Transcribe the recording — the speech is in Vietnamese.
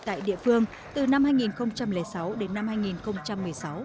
tại địa phương từ năm hai nghìn sáu đến năm hai nghìn một mươi sáu